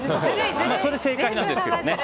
それ正解なんですけどね。